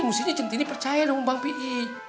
mesti centini percaya dong bang p i